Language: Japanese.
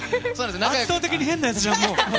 圧倒的に変なやつじゃん、もう。